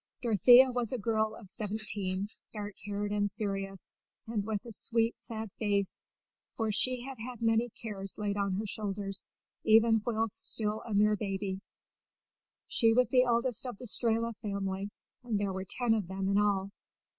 Dorothea was a girl of seventeen, dark haired and serious, and with a sweet, sad face, for she had had many cares laid on her shoulders, even whilst still a mere baby. She was the eldest of the Strehla family; and there were ten of them in all.